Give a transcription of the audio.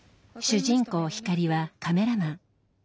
主人公ヒカリはカメラマン。